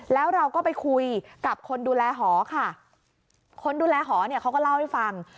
แล้วเราก็ไปคุยกับคนดูแลหอค่ะคนดูแลหอเนี่ยเขาก็เล่าให้ฟัง